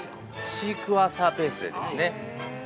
シークワーサーベースでですね。